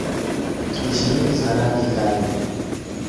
Spishi nyingi zina rangi kali.